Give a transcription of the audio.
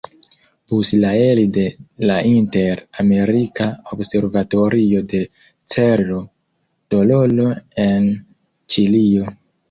Bus la elde la Inter-Amerika observatorio de Cerro Tololo en Ĉilio.